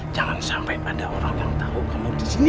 jangan sampai ada orang yang tahu kamu disini